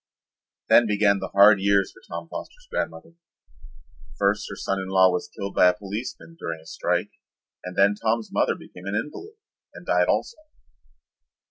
Then began the hard years for Tom Foster's grandmother. First her son in law was killed by a policeman during a strike and then Tom's mother became an invalid and died also.